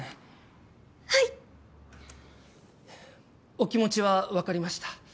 お気持ちはわかりました。